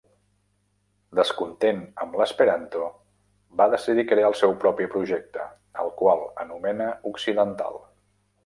Descontent amb l'esperanto, va decidir crear el seu propi projecte, al qual anomena occidental.